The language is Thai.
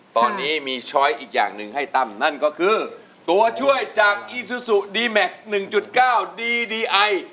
ตอนนี้มีช้อยอีกอย่างหนึ่งให้ตั้มนั่นก็คือตัวช่วยจากอีซูซูดีแม็กซ์๑๙ดีดีไอ